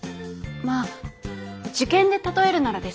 まあ受験で例えるならですけど。